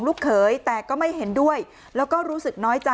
ก็อยู่ด้วยกันต่อไปก็ให้ออกมาวันนี้เลยในนิดนึงนะ